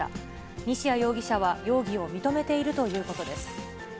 西谷容疑者は容疑を認めているということです。